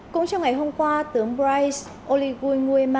cũng trong ngày hôm qua tướng bryce oligun